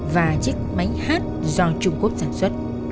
và chiếc máy hát do trung quốc sản xuất